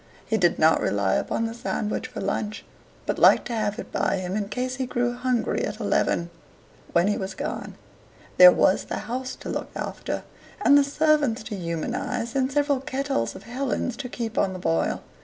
He did not rely upon the sandwich for lunch, but liked to have it by him in case he grew hungry at eleven. When he had gone, there was the house to look after, and the servants to humanize, and several kettles of Helen's to keep on the boil.